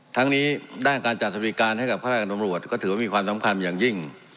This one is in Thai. ทั้งนี้ด้านการจัดสวัสดิการให้กับข้าราชการตำรวจก็ถือว่ามีความสำคัญอย่างยิ่ง